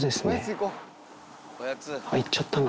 行っちゃったな。